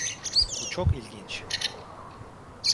Bu çok ilginç.